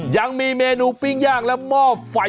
ยังมีเมนูปิ้งย่างและหม้อไฟ